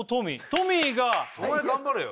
トミーがお前頑張れよ